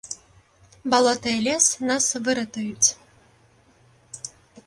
Балота і лес нас выратуюць.